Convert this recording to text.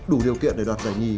đủ điều kiện để đoạt giải nhì